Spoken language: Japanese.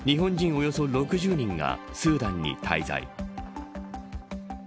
およそ６０人がスーダンに滞在。